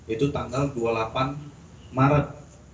itu tanggal dua puluh delapan maret dua ribu dua puluh empat